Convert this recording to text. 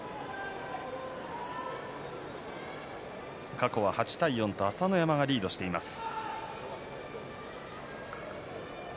過去は８対４と朝乃山がリードしています。